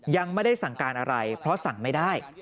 ยังไม่ได้สั่งการอะไรเพราะสั่งไม่ได้